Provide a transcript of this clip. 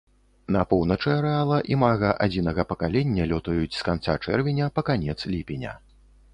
На поўначы арэала імага адзінага пакалення лётаюць з канца чэрвеня па канец ліпеня.